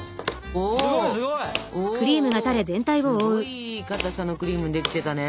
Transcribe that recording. おおすごいいいかたさのクリームできてたね。